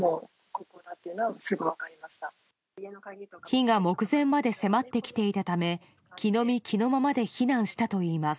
火が目前まで迫ってきていたため着の身着のままで避難したといいます。